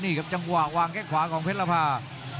นี่ครับจังหวะวางแข้งขวาของเพชรภา